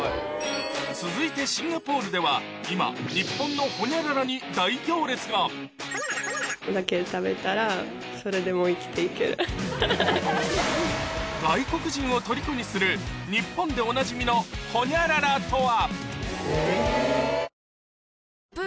続いてシンガポールでは今日本でおなじみのホニャララとは？